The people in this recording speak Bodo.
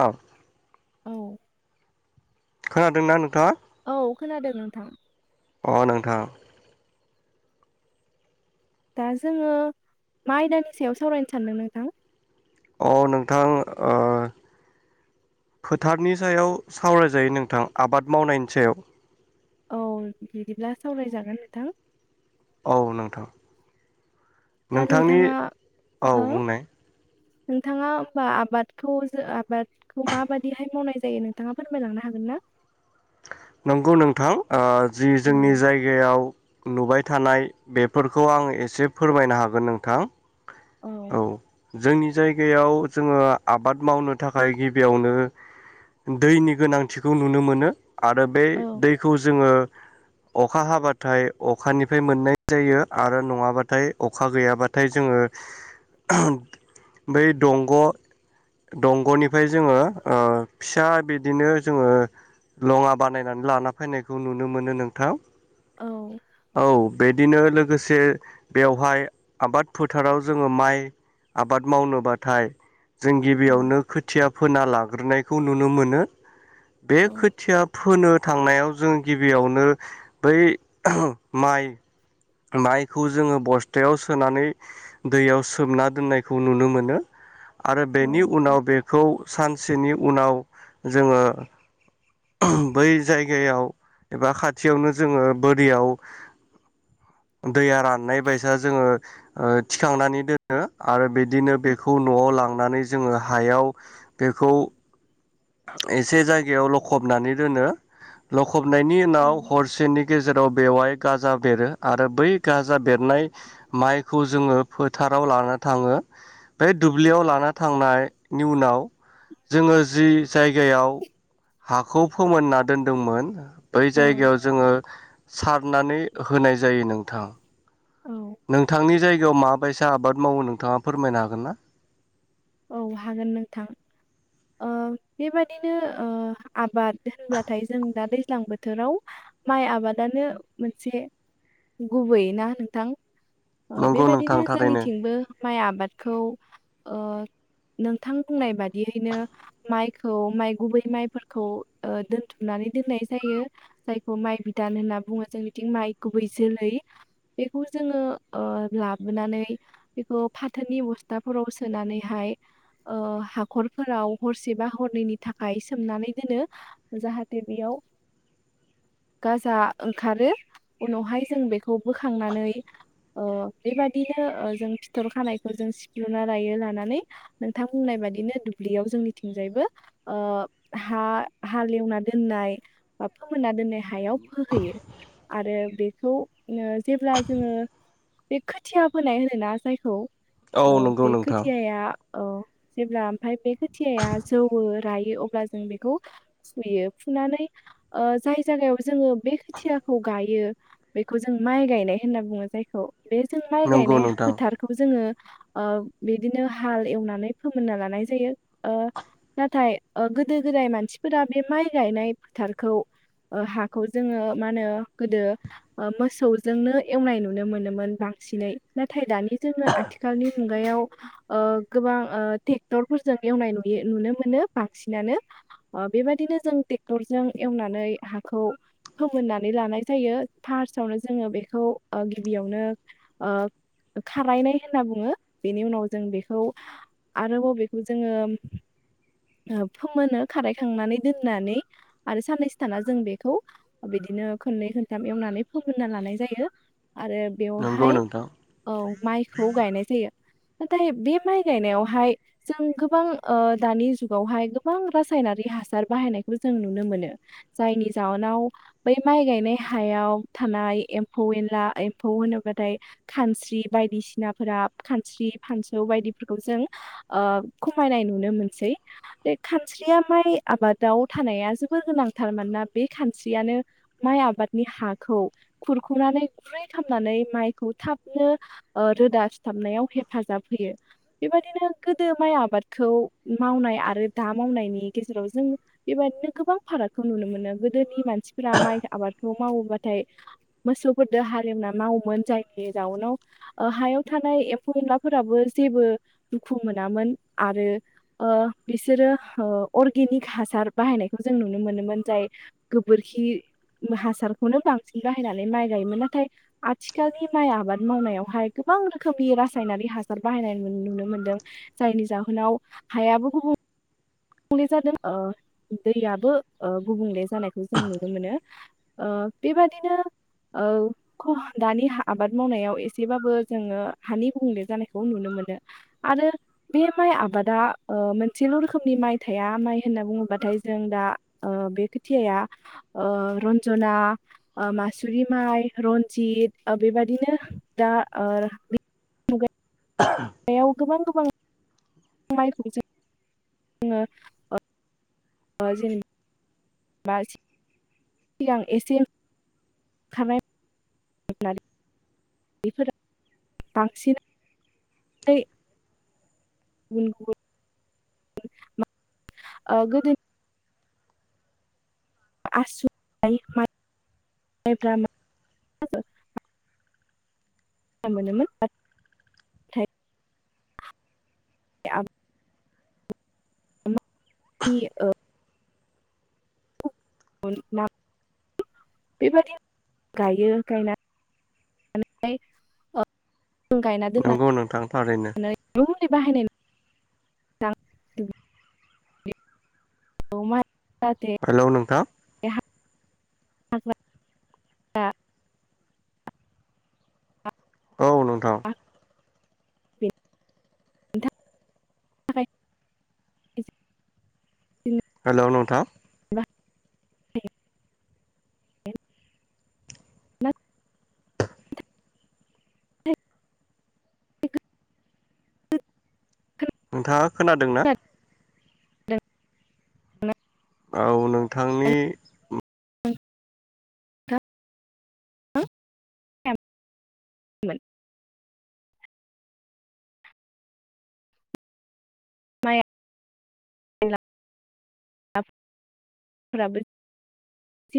औ औ खोनादोंना नोंथाङा? औ खोनादों नोंथां। अ नोंथां दा जोङो मा आयदानि सायाव सावरायनो सानदों नोंथां? अ नोंथां ओ फोथारनि सायाव सावरायजायो नोंथां आबाद मावनायनि सायाव। औ बिदिब्ला सावरायजागोन नोंथां। औ नोंथां। दा नोंथांनि नोंथाङा औ हो बुंनाय नोंथाङा होमबा आबादखौ जो आबादखौ माबादिहाय मावनाय जायो नोंथाङा फोरमायलांनो हागोन ना? नंगौ नोंथां ओ जि औ जोंनि जायगायाव नुबाय थानाय बेफोरखौ आङो एसे फोरमायनो हागोन नोंथां। औ जोंनि जायगायाव जोङो आबाद मावनो थाखाय गिबियावनो दैनि गोनांथिखौ नुनो मोनो। आरो बे औ दैखौ जोङो अखा हाबाथाय अखानिफ्राय मोननाय जायो आरो नङाबाथाय अखा गैयाबाथाय जोङो बै दंग' दंग'नि फ्राय जोङो ओ फिसा बिदिनो जोङो लङा बानायनानै लाना फैनायखौ नुनो मोनो नोंथां। औ औ बे दिनो लोगोसे बेवहाय आबाद फोथाराव जोङो माइ आबाद मावनोबाथाय जों औ गिबियावनो खोथिया फोना लाग्रोनाय खौ नुनो मोनो। बे औ खोथ फोनो थांनायाव जों गिबियावनो बै माइ माइखौ जोङो बस्थायाव सोनानै दैयाव सोमना दोननायखौ नुनो मोनो। आरो बेनि औ उनाव बेखौ सानस सेनि उनाव जोङो बै जायगायाव एबा खाथियावनो जोङो बोरियाव दैया राननाय बायसा जोङो ओ थिखांनानै दोनो आरो बिद दिनो बेखौ न'आव लांनानै जोङो हायाव बेखौ एसे जायगायाव लखबनानै दोनो लखबनायनि उनाव हरसेनि गेजेराव बेवहाय गाजा बेरो आरो बै गाजा बेरनाय माइखौ जोङो फोथाराव लाना थाङो। बे दुब्लियाव लाना थांनायनि उनाव जोङो जि जायगायाव हाखौ फोमोनना दोनदोंमोन। बै औ जायगायाव जोङो सारनानै होनाय जायो नोंथां। औ नोंथांनि जायगा याव माबायसा आबाद मावो नोंथाङा फोरमायनो हागोन ना? औ हागोन नोंथां ओ बेबादिनो ओ आबाद होनबाथाय जों दा दैज ज्लां बोथोराव माइ आबादानो मोनसे गुबै ना नोंथां? अ नंगौ नोंथां बेबायाददिनो थारैनो जोंनिथिंबो माइ आबादखौ ओ नोंथां बुंनाय बादियैनो माइखौ माइ गुबै माइफोरखौ ओ दोनथुमनानै दोननाय जायो जायखौ माइ बिदान होनना बुंङो जोंनिथिं माइ गुबै जोलै बेखौ जोंङो ओ लाबोनानै बेखौ फाथोनि बस्थाफोराव सोनानैहाय ओ हाखरफोराव हरसेबा हरनैनि थाखाय सोमनानै दोनो जाहाथे बेयाव गाजा ओंखारो उनावहाय जों बेखौ बोखांनानै ओ बेबादिनो ओ जों फिथर खानायखौ जों सिफ्रुना लायो लानानै नोंथां बुंनाय बादिनो दुब्लियाव जोंनिथिंजायबो ओ हा हाल एवनाय दोननाय बा फोमोनना दोननाय हायाव फोहोयो आरो बे बेखौ जेब्ला जोंङो बे खोथिया फोनाय होनो ना जायखौ औ ओ नंगौ बे नोंथां खोथियाया औ जेब्ला ओमफ्राय बे खोथियाया जोवौ रायो अब्ला जों बेखौ फुयो फुनानै ओ जाय जायगायाव जोंङो बे खोथियाखौ गायो बेखौ जों माइ गायनाय होनना बुंङो जायखौ बे जों माइ नंगौ गायनाय नोंथां फोथारखौ जोंङो ओ बिदिनो हाल एवनानै फोमोनना लानाय जायो ओ नाथाय ओ गोदो-गोदाय मानसिफोरा बे माइ गायनाय फोथारखौ ओ हाखौ जोंङो मा होनो गोदो मोसौजोंनो एवनाय नुनो मोनोमोन बांसिनै नाथाइ दानि नि जोंङो आथिखालनि मुगायाव ओ गोबां ओ ट्रेक्टरफोरजों एवनाय नुयो नुनो मोनो बांसिनानो अ बेबादिनो जों ट्रेक्टरजों एवनानै हाखौ फोमोननानै लानाय जायो फार्स्टआवनो जोंङो बेखौ गिबियावनो खारायनाय होनना बुंङो बेनि उनाव जों बेखौ आरोबाव बेखौ जोंङो ओ फोमोनो खारायखांनानै दोननानै आरो साननैसो थाना जों बेखौ बिदिनो खननै खनथाम एवनानै फोमोनना लानाय जायो। आरो नंगौ बेवहाय नोंथां औ माइखौ गायनाय जायो। नाथाइ बे माइ गायनायावहाय जों गोबां ओ दानि जुगावहाय गोबां रासायनारि हासार बाहायनायखौ जों नुनो मोनो जायनि जाहोनाव बै माइ गायनाय हायाव थानाय एम्फौ एनला एम्फौ होनोबाथाय खानस्रि बायदिसिनाफोरा खानस्रि फानसौ बायदि फोरखौ जों ओ खमायनाय नुनो मोनसै बे खानस्रिया माइ आबादाव थानाया जोबोर गोनांथार मानोना बे खानस्रियानो माइ आबादनि हाखौ खुरखनानै गुरै खालामनानै माइखौ थाबनो ओ रोदा सिथाबनायाव हेफाजाब होयो। बेबायदिनो गोदो माइ आबादखौ मावनाय आरो दा मावनायनि गेजेराव जों बेबायदिनो गोबां फारागखौ नुनो मोनो गोदोनि मानसिफोरा माइ आबादखौ मावोबाथाय मोसौफोरजों हालेवना मावोमोन जायनि जाउनाव हायाव थानाय एम्फौ एनलाफोराबो जेबो दुखु मोनामोन आरो ओ बिसोरो ओ अरगेनीक हासार बाहायनायखौ जों नुनो मोनोमोन जाय गोबोरखि हासारखौनो बांसिन बाहायनानै माइ गायोमोन। नाथाय आथिखालनि माइ आबाद मावनायावहाय गोबां रोखोमनि रासायनारि हासार बाहायनाय नुनो मोनदों जायनि जाहोनाव हायाबो गुबुं गुबुंले जादों ओ दैयाबो ओ गुबुंले जानायखौ जों नुनो मोनो ओ बेबादिनो ओ दानि आबाद मावनायाव एसेबाबो जोंङो हानि गुबुंले जानायखौ नुनो मोनो आरो बे माइ आबादा मोनसेल रोखोमनि माइ थाया माइ होनना बुङोबाथाय जों दा ओ बे खोथियाया ओ रन्जना ओ मासुरि माइ रन्जित ओ बेबादिनो दा ओ बेयाव गोबां-गोबां [unintelligible] सिगां एसे [unintelligible] बेफोर बांसिन ऐ गुबुन गुबुन [unintelligible] ओ गोदोनि [unintelligible] मो मोनोमोन [unintelligible] [unintelligible] [unintelligible] ना बेबायदि गायो गायनानै [unintelligible] गायना नंगौ नोंथां थारैनो [unintelligible] बाहायनाय [unintelligible] औ मा हेलौ नोंथां [unintelligible] औ नोंथां। नोंथां थाखाय हेलौ नोंथां दे [unintelligible] [unintelligible] नोंथाङा खोनादों ना? [unintelligible] औ नोंथांनि [unintelligible] [unintelligible] माया [unintelligible] एसे